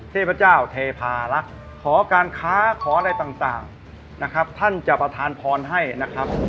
เทพเจ้าเทพารักษ์ขอการค้าขออะไรต่างนะครับท่านจะประทานพรให้นะครับ